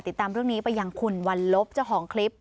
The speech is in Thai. ติดตามเรื่องนี้ไปยังคุณวันลบเจ้าของคลิป